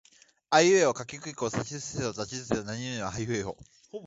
あいうえおかきくけこさしすせそたちつてとなにぬねのはひふへほ